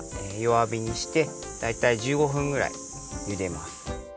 わびにしてだいたい１５分ぐらいゆでます。